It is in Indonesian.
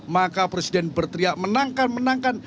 maka presiden berteriak menangkan menangkan